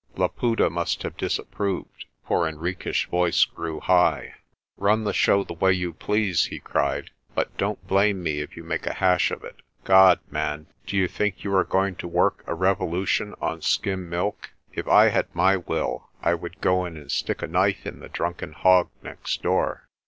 Laputa must have disapproved, for Henriques' voice grew high. THE STORE AT UMVELOS' 119 "Run the show the way you please," he cried; "but don't blame me if you make a hash of it. God, man, do you think you are going to work a revolution on skim milk? If I had my will I would go in and stick a knife in the drunken hog next door."